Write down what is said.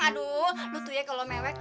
aduh lo tuh ya kalau mewek